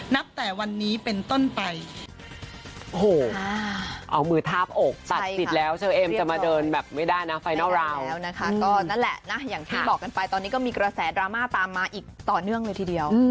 นับแต่วันนี้เป็นต้นไปโอ้โหเอามือทาบอกตัดสิทธิ์แล้วเชอเอมจะมาเดินแบบไม่ได้นะ